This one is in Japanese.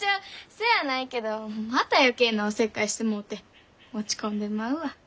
そやないけどまた余計なおせっかいしてもうて落ち込んでまうわ。